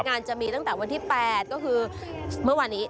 งานจะมีตั้งแต่วันที่๘ก็คือเมื่อวานนี้